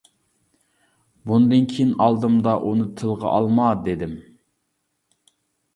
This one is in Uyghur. بۇندىن كېيىن ئالدىمدا ئۇنى تىلغا ئالما دېدىم.